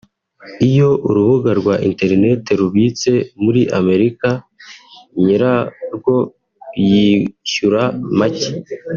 Iyo Urubuga rwa Internet rubitse muri Amerika nyirarwo yishyura make